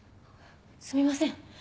すみません